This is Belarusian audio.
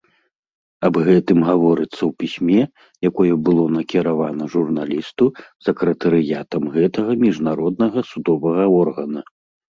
Аб гэтым гаворыцца ў пісьме, якое было накіравана журналісту сакратарыятам гэтага міжнароднага судовага органа.